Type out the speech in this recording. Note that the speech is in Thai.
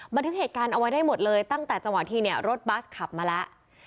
บันทึกเหตุการณ์เอาไว้ได้หมดเลยตั้งแต่จังหวะที่เนี่ยรถบัสขับมาแล้ว